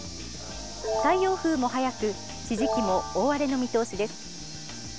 太陽風も速く地磁気も大荒れの見通しです。